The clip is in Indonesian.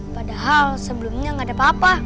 padahal sebelumnya gak ada apa apa